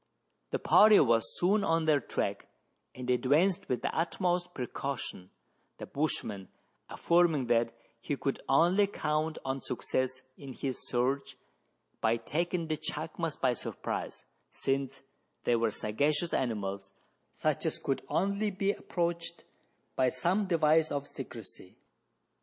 The party was soon on their track, and advanced with the utmost precaution, the bushman affirming that he could only count on success in his search by taking the chacmas by surprise, since they were sagacious animals, such as could only be approached by some device of secrecy.